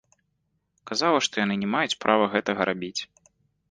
Казала, што яны не маюць права гэтага рабіць.